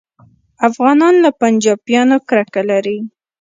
افغانان له پنجابیانو کرکه لري